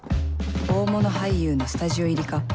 大物俳優のスタジオ入りか